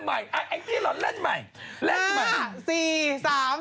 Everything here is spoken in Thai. คนที่รู้แล้วกันสอนเล่นใหม่